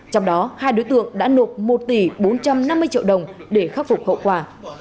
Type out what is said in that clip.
trong đó hai đối tượng đã nộp một tỷ bốn trăm năm mươi triệu đồng để khắc phục hậu quả